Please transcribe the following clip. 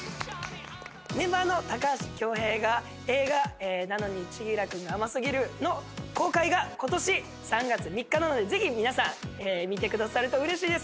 メンバーの高橋恭平が映画『なのに、千輝くんが甘すぎる。』の公開が今年３月３日なのでぜひ皆さん見てくださるとうれしいです！